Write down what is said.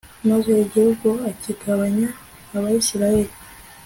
maze igihugu akigabanya abayisraheli